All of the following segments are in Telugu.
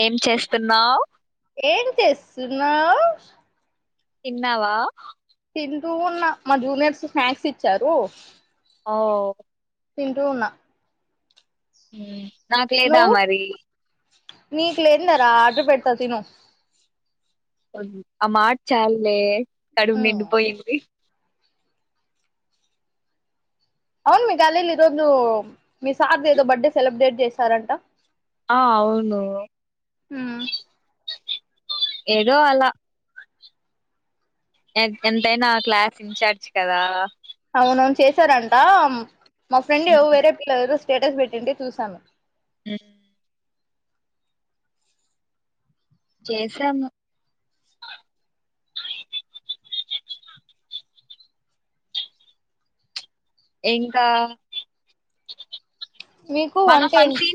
ఏం చేస్తున్నావు ఏం చేస్తున్నా తన్నావా తింటూ ఉన్న మా జూనియర్స్ స్నాక్స్ ఇచ్చారు ఓ తింటూ ఉన్నా హమ్ నాకు లేదా నువ్వు మరి నీకు లేదు మరి ఆర్డర్ పెడతా తిను. ఆ మాట చాల్లే. కడుపు నిండి పోయింది. అవును మీ గల్లీలో ఈ రోజు మీ సార్ దేదో బర్త్డే సెలెబ్రేట్ చేస్ శారంట ఆ అవును ఏదో అలా ఎం ఎంతైనా క్లాస్ ఇన్ఛార్జ్ కదా! అవునవును చేశారంట. మా ఫ్రెండ్ ఎవ్ వేరే పిల్ల [unintelligible] స్టేటస్ పెట్టింటే చూశాను. హ్మ్ చేశాము. ఇంకా మీకు వంటేంటి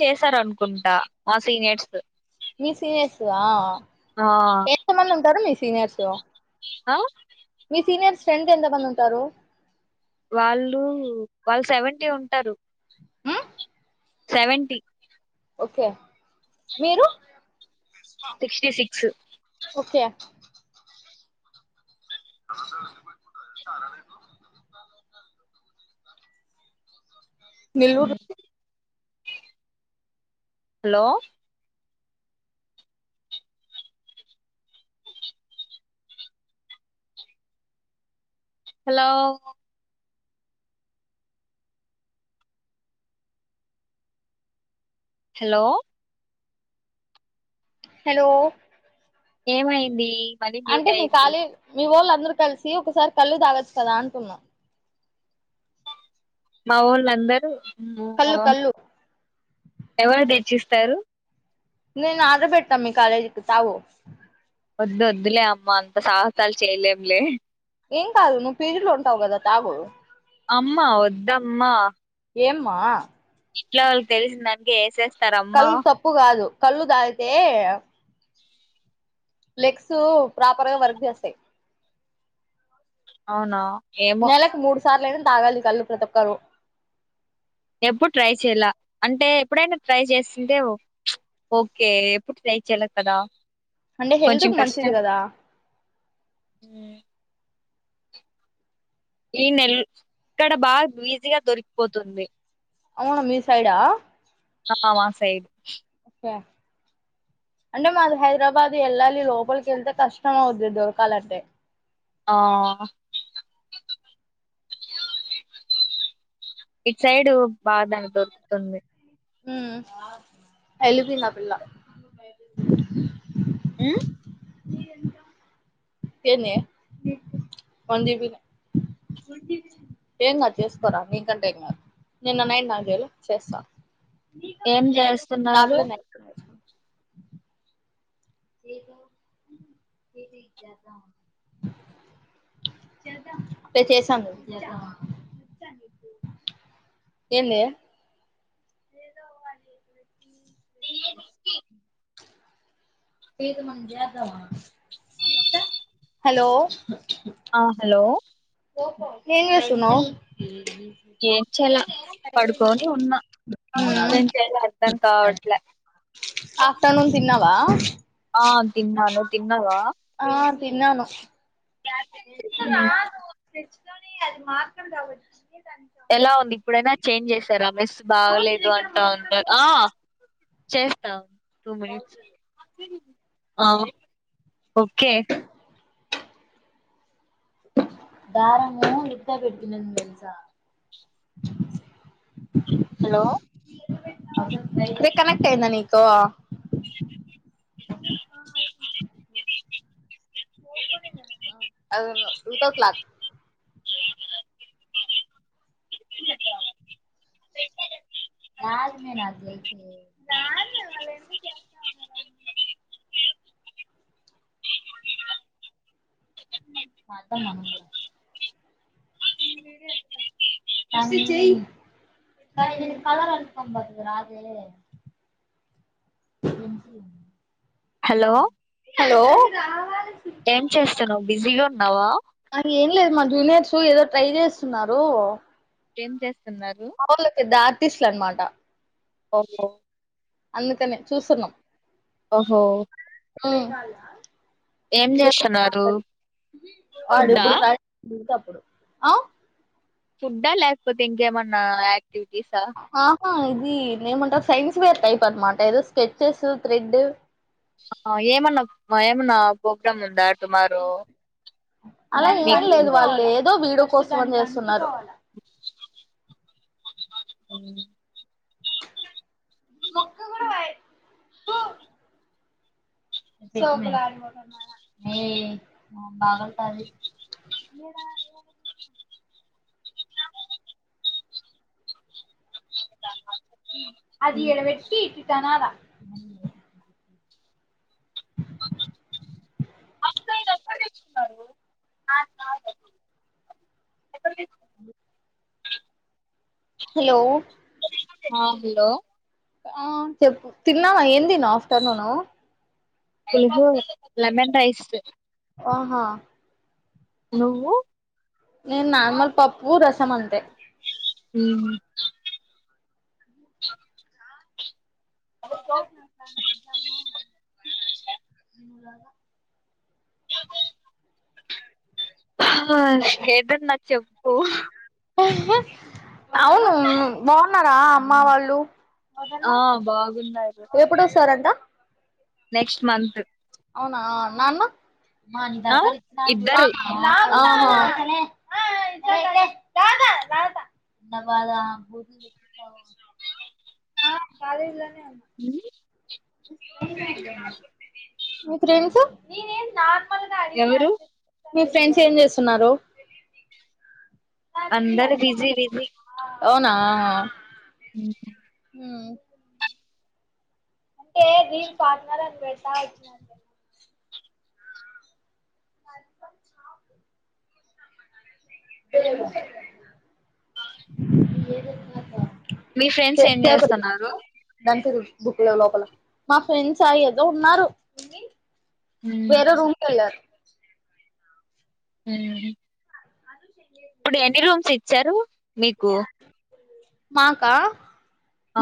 చేశారనుకుంటా మా సీనియర్స్. మీ సీనియర్స్థా ఆ ఎంత మంది ఉంటారు మీ సీనియర్స్? తో ఆ సీనియర్స్ ఫ్రెండ్స్ ఎంతమంది ఉంటారు? వాళ్ళు వాళ్ళు సెవెంటీ ఉంటారు. సెవెంటీ. ఓకే మీరు సిక్స్టీ సిక్స్ ఓకే అ తారణ నెల్లూరు హ్మ్ హలో హలో హలో హలో ఏమైంది? మళ్ళీ అంటే మ్యూట్ మీ అయింది ఖాళీ మీ వోళ్లన్ అందరు కలిసి ఒకసారి కల్లు తాగచ్చు కదా అనుకున్నాం. మా వోళ్ళు అందరూ కళ్ళు కళ్ళు ఎవరు దెచ్చిస్ ప్పారు. నేను ఆర్డర్ పెడతాం మీ కాలేజీకి తావ వద్ వద్దులే అమ్మ అంత సాహసాలు చేయలేంలే ఏం కాదు నువ్ పీజీలు ఉంటావుదా తాగుోదు అమ్మా వద్దమ్మా ఏమ్మా ఇట్ వాళ్ళకి తెలిసింది అందుకే ఏసే కళ్ళు తప్పు కాదు కళ్ళు తాగితే లెగ్స్ ప్రాపర్ గా వర్క్ చేస్తాయి అవునా ఏమో నెలలకు మూడు సార్లు తాగాలి కళ్ళు ప్రతి ఒక్కరు ఎప్పుడు ట్రై చెయలే అంటే ఎప్పుడైనా ట్రై చేసిందే ఓకే ఎప్పుడు ట్రై చెయ్యలే కదా అంటే హెల్త్ కొంచెం కు మంచిది కష్టం కదా ఈ నెల ఇక్కడ బాగా ఈజీగా దొరికిపోతుంది అవునా మీ సైడా ఆవా సైడి ే అంటే మాది హైదరాబాద్ వెళ్ళాలి లోపలికి వెళ్తే కష్టం అవుద్ది దొరకాలంటే ఆ ఇట్ సైడు బాద దొరుకుతుంది హ్మ్మ్ ఎల్లిపోయింది ఆ పిల్ల హ్మ్మ్ ఏ ఎ ఏన్ ఏ చేసుకోరా నకంటే నిైాలులు చేస్తా ఏం చేస్తున్నారు రాత్రి నైట్ అే చేసాను ఏంది ఎ ఏ అ హలో ఆ హలో ఏంస్తున్నావు ఏం చేాల పడుకొని ఉన్నా నేం చేాల అర్థం కావట్లే ఆఫ్టర్నూన్ తిన్నావా ఆ తిన్నాను తిన్నద ఆ తిన్నను ఉమ్ అ అది మాత్రం కావచ్చు ఎలా ఉంది ఇప్పుడైనా చేంజ్ చేసారా మిస్ బాగలేదు అంటా ఉన్నారు చేస్తావును తూ మరి ఆ ఓకే దారము ఇద్ద పెడుతునని దెలుసా హలో కనెక్ట్ అయిందా నీకు అదేమో [inaudible] క్లాక్ రాజు నే నేను అట్లా అయితే [unintelligible] అదా మనందర కలర్ అపంతు రా అద హలో హలో ఏం చేస్తానవ్ బిజీగా ఉన్నావా అది ఏం లేదు మా జూనియర్స్ ఏదో ట్రై చేస్తున్నారు ఎం చెస్ అ ద [unintelligible] తీస్లాండ్న్మాట ఓహో అందుకనే చూసున్నాం ఓహో ఉమ్ ఏం చేస్తున్నారు ఫుడ్డా వాడిప్పుడు ఆ ఫుడ్డా లేకపోతే ఇంకేమన్నా లైక్ ఆహా ఇది నేమ్ ఉంటారు సైన్స్ పేర్ టైప్ అన్మట ఏదో స్కెచ్చస్ థ్రెడ్ ఏమన్నా ఏమన్నా ప్రోగ్రామ్ ఉందా టుమారో అలా ఏం మీకు లేదు వాళ్ళు ఏదో వీడియో కోసం ఫోన్ జెస్తున్నారు అవు [unintelligible] తోక్క కూడా పాయె తు పగల్తాది అది ఉమ్. ఇడ వెట్టి ఇటణాల అక్క ఎక్కస్తున్నారు బ్ హలో హలో ఆ చెప్పు తిన్నావా ఏ తిను ఆఫ్టర్నూను [unintelligible] లెమన్ రైస్ ఆహా నువ్వు నేను నార్మల్ పప్పు రస్ సమంతే ఊ ఏాదము [inaudible] అ స్కేటర్ నా చెప్పు అవును బాగున్నారా అమ్మ వాళ్ళు ఆ బాగున్నారు ఎప్పుడొస్తారంట నెక్స్ట్ మంత్ అవునా నాన్న ఆ ఇద్దరు నా ఆహా మ్ ఇ మాకు మీ ఫ్రెండ్స్ మ ఎవరు గడిని మీ ఫ్రెండ్స్ ఏం చేస్తున్నారు. అందరు బిజీ బిజీ అవునా మ్ హూ ఉమ్ అంటే [unintelligible] పార్ట్నర్ అని పెడతా వచ్చిన [inaudible] న చపి ఏ మీ ఫ్రెండ్స్ ఏం చేస్తున్నారు. దానికి మా ఫ్రెండ్సా ఏదో ఉన్నారు. వేరే ఉమ్, రూమ్ కెల్లారు ఉమ్ చారు మీకు మాకా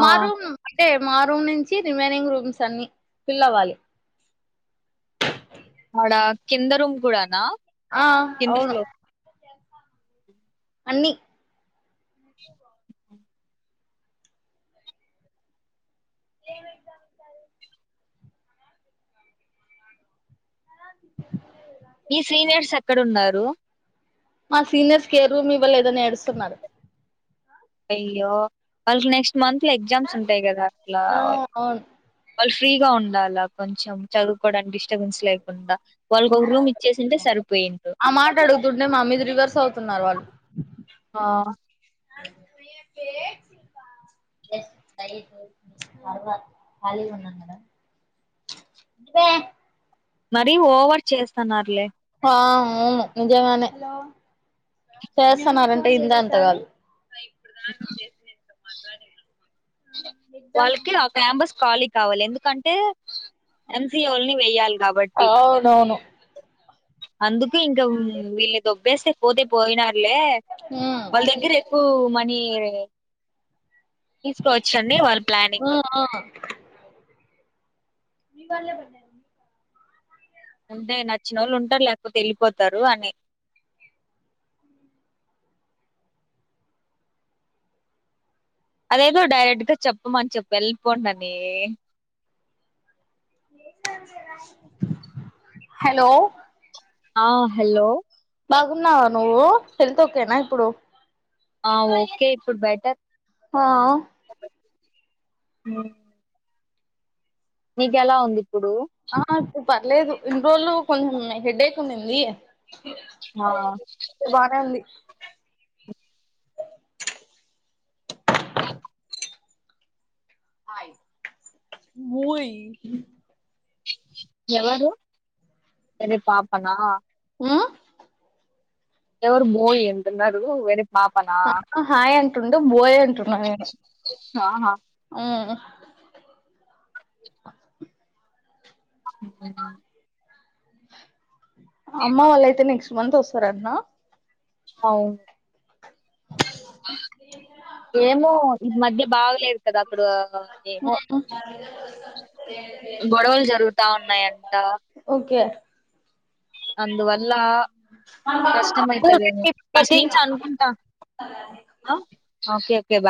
ఆ మా రూమ్ అంటే మా రూమ్ నుంచి రిమైనింగ్ రూమ్స్ అన్ని ఫిల్ అవ్వాలి. ఆడా కింద రూమ్ గూడనా ఆ అవును అన్ని క మీ సీనియర్స్ ఎక్కడ వున్నారు. మా సీనియర్స్ కి ఎ రూమ్ ఇవ్వలేదు అని ఏడుస్తున్నారు. అయ్యో వాళ్ళకి నెక్స్ ట్ మంత్ లో ఎగ్జామ్స్ ఉంటాయి కదా అట్లా ఆ అవును వాళ్లు ఫ్రీగా ఉండాల కొంచెం చదువుకోవడానికి డిస్టబెన్స్ లేకుండా వాళ్ళకి ఒక రూమ్ ఇచ్చేసింటే సరిపోయిఉండు స్తున్నారు వాళ్ళు ఖాళీగా ఉన్న కదా మరీ ఓవర్ చేస్తున్నారులే ఆ అవును నిజంగానే చేస్తాన్నారం ఇందా అంత కాదు చేస్కో [inaudible] వాళ్ళకి ఆ క్యాంపస్ కాలి కావాలి ఎందుకంటే ఎన్సిఓల్ని వేయ్యాలి అవునవును అ అందుకు ఇంకా వీళ్ళని దొబ్బేస్తే పోతే పోయినా లె వాళ్ళ దగ్గర ఎక్కువ మ నీవే తీసుకోవచ్చండి వారి ప్లానింగ్ మీ వాళ్లే పడ్డది ఉంటె నచ్చినోళ్ళు ఉంటారు లేకపోతే ఎళ్ళిపోతారు అని అదేదో డైరెక్ట్ గా చెప్పమని చెప్పి వెళ్ళిపోండనీ హలో ఆ హలో బాగున్నా నువ్వు టెన్త్ ఓక్ నా ఇప్పుడు ఆ ఓకే ఇప్పుడు బెటర్ ఆ ఉమ్ నీకెలా ఉంది ఇప్పుడు ఆ స పర్లేదు ఇన్ని రోజులు కొం హెడేక్ ఉండింది ఆ బాగా అంది ముయ్ ఎవరు సరే పాపనా ఆ ఎవరు మోయ్ అంటన్నారు వెనక్ అ ఆ హాయ్ అంటుండు బోయ్ అంటున్నా నేను ఆహా ఉమ్ [inaudible] అమ్మ వాళ్ళైతే నెక్స్ట్ మంత్ ఓస్ సరేన్నా అవ్ ఏమో ఇ మధ్య బాగలేదు కదా అప్పుడు ఉ [inaudible] గొడవలు జరుగుతాన్నాయంట ఓకే అందు వల్ల అలా కష్టం అవుతుంది ఏమో ప్రతి ఓకే ఓకే గా